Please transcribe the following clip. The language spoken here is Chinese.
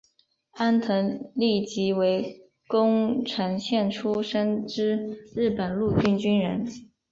安藤利吉为宫城县出身之日本陆军军人。